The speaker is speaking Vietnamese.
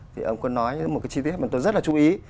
thì ông có nói một cái chi tiết mà tôi rất là chú ý